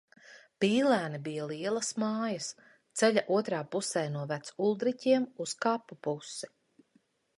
Pīlēni bija lielas mājas, ceļa otrā pusē no Veculdriķiem uz kapu pusi.